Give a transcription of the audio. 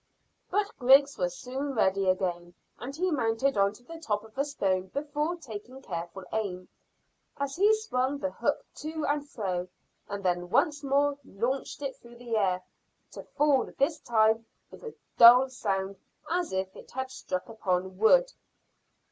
But Griggs was soon ready again, and he mounted on to the top of a stone before taking careful aim, as he swung the hook to and fro, and then once more launched it through the air, to fall this time with a dull sound as if it had struck upon wood.